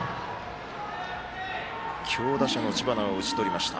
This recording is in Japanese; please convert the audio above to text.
強打者の知花を打ち取りました。